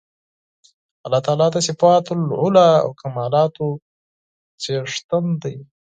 الله تعالی د صفات العُلی او کمالاتو څښتن دی